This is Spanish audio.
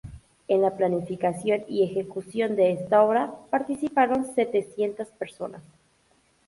En la planificación y ejecución de esta obra participaron setecientas personas.